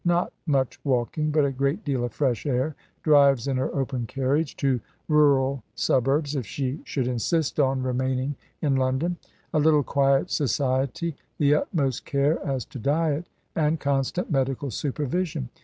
Not much walking, but a great deal of fresh air, Drives in her open carriage to rural suburbs, if she should insist on remaining in London; a little quiet society; the utmost care as to diet, and constant medical supervision.